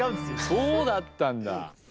そうだったんだ！